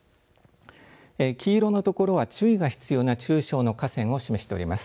黄色の所は注意が必要な中小の河川を示しております。